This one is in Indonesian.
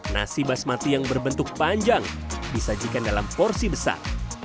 nasi basmati yang berbentuk panjang disajikan dalam porsi besar